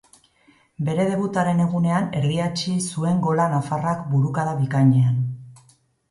Bere debutaren egunean erdietsi zuen gola nafarrak burukada bikainean.